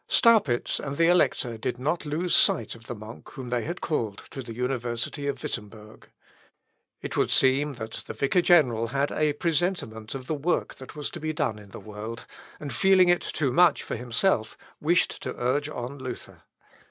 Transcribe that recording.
Staupitz and the elector did not lose sight of the monk whom they had called to the university of Wittemberg. It would seem that the vicar general had a presentiment of the work that was to be done in the world, and, feeling it too much for himself, wished to urge on Luther.